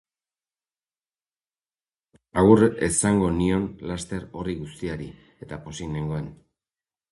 Agur esango nion laster horri guztiari, eta pozik nengoen.